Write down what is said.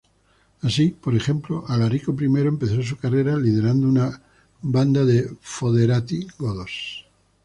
Así, por ejemplo, Alarico I empezó su carrera liderando una banda de "foederati" godos.